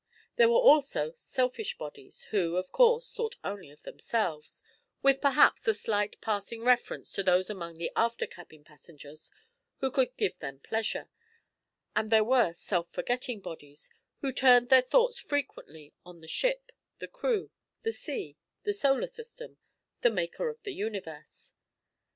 There were also selfish bodies who, of course, thought only of themselves with, perhaps, a slight passing reference to those among the after cabin passengers who could give them pleasure, and there were self forgetting bodies who turned their thoughts frequently on the ship, the crew, the sea, the solar system, the Maker of the universe.